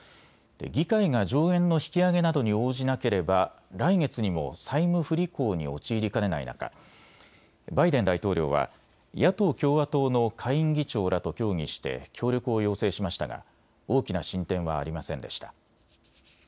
議会が上限の引き上げなどに応じなければ来月にも債務不履行に陥りかねない中、バイデン大統領は野党・共和党の下院議長らと協議して協力を要請しましたが大きな進展はありませんでした。